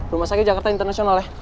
rumah sakit jakarta international